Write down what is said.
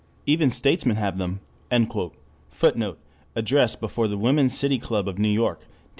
Even statesmen have them." [Footnote: Address before the Women's City Club of New York, Dec.